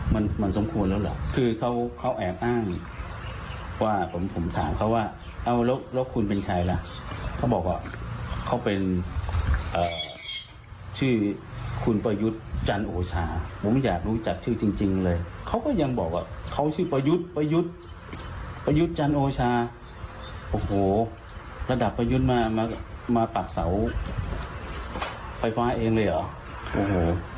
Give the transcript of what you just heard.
มันมันสมควรแล้วเหรอคือเขาเขาแอบอ้างว่าผมผมถามเขาว่าเอาแล้วแล้วคุณเป็นใครล่ะเขาบอกว่าเขาเป็นชื่อคุณประยุทธ์จันโอชาผมอยากรู้จักชื่อจริงเลยเขาก็ยังบอกว่าเขาชื่อประยุทธ์ประยุทธ์ประยุทธ์จันโอชาโอ้โหระดับประยุทธ์มามาปรับเสาไฟฟ้าเองเลยเหรอโอ้โห